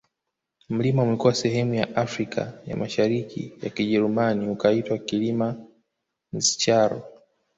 Mlima umekuwa sehemu ya Afrika ya Mashariki ya Kijerumani ukaitwa Kilima Ndscharo